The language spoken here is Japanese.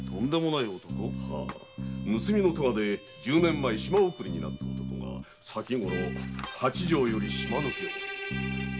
盗みの科で十年前島送りになった男が先ごろ八丈より島抜けを。